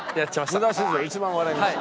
札史上一番笑いました。